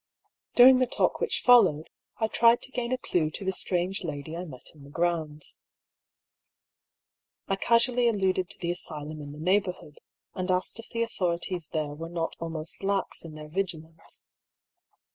During the talk which followed, I tried to gain a clue to the strange lady I met in the grounds. I casually alluded to the asylum in the neighbourhood, and asked if the authorities there were not almost lax in their vigilance.